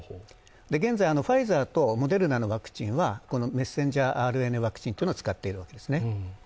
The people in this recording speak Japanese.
現在、ファイザーとモデルナのワクチンはメッセンジャーＲＮＡというワクチンを使っているわけですね。